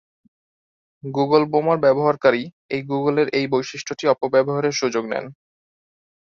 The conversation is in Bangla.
গুগল বোমা-র ব্যবহারকারী এই গুগলের এই বৈশিষ্ট্যটি অপব্যবহারের সুযোগ নেন।